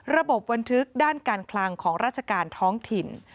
บันทึกด้านการคลังของราชการท้องถิ่น